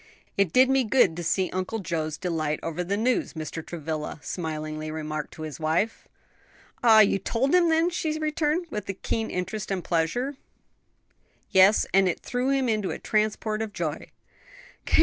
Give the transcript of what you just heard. "It did me good to see Uncle Joe's delight over the news," Mr. Travilla smilingly remarked to his wife. "Ah, you told him then?" she returned, with a keen interest and pleasure. "Yes, and it threw him into a transport of joy.